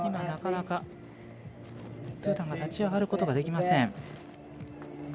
なかなか、トゥータン立ち上がることができません。